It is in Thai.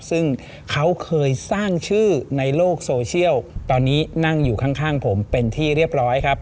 ซึ่งเขาเคยสร้างชื่อในโลกโซเชียลตอนนี้นั่งอยู่ข้างผมเป็นที่เรียบร้อยครับ